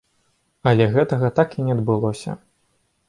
Але гэтага так і не адбылося.